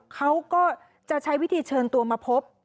เขาก็จะใช้วิธีเชิญตัวมาพบ